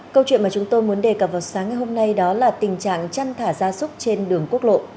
câu chuyện mà chúng tôi muốn đề cập vào sáng ngày hôm nay đó là tình trạng chăn thả ra súc trên đường quốc lộ